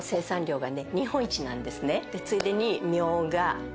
ついでに。